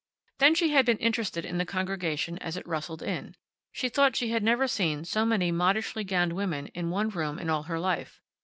Then she had been interested in the congregation as it rustled in. She thought she had never seen so many modishly gowned women in one room in all her life.